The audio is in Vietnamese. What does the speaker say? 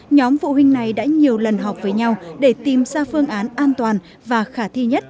nhóm phụ huynh này đã nhiều lần họp với nhau để tìm ra phương án an toàn và khả thi nhất